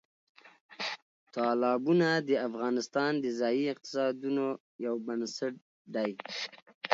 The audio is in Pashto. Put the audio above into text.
تالابونه د افغانستان د ځایي اقتصادونو یو بنسټ دی.